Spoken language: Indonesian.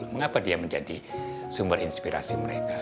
mengapa dia menjadi sumber inspirasi mereka